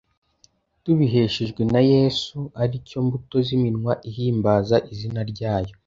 tubiheshejwe naYesu, ari cyo mbuto z’iminwa ihimbaza izina ryayo"